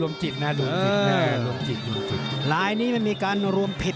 รวมจิตนะรวมจิตรวมจิตไลน์นี้มันมีการรวมผิด